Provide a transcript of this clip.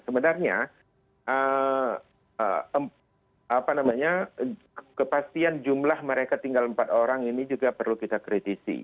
sebenarnya kepastian jumlah mereka tinggal empat orang ini juga perlu kita kritisi